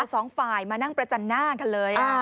สองฝ่ายมานั่งประจันหน้ากันเลย